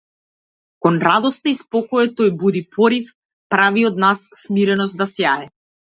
Кон радоста и спокојот тој буди порив, прави од нас смиреност да сјае.